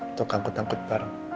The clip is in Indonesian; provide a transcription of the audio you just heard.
untuk angkut angkut bareng